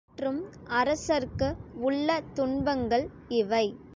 மற்றும் அரசர்க்கு உள்ள துன்பங்கள் இவை.